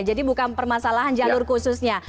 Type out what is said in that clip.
jadi bukan permasalahan jalur khususnya